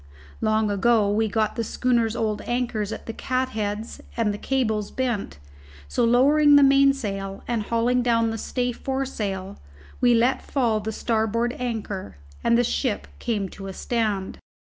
Long ago we had got the schooner's old anchors at the catheads and the cables bent, so, lowering the mainsail and hauling down the stay foresail, we let fall the starboard anchor, and the ship came to a stand.